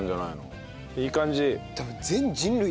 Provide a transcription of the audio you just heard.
いい感じ。